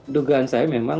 dugaan saya memang